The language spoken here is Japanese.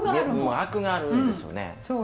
アクがあるんですよね。